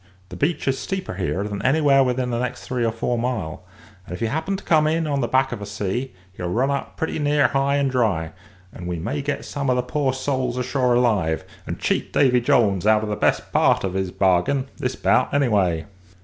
The beach is steeper here than anywhere within the next three or four mile; and if he happens to come in on the back of a sea, he'll run up pretty near high and dry; and we may get some of the poor souls ashore alive, and cheat Davy Jones out of the best part of his bargain this bout, anyway."